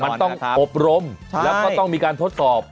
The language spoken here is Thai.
มันต้องอบรมแล้วก็ต้องมีการทดสอบ